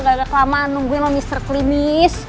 gak ada kelamaan nungguin lo mr krimis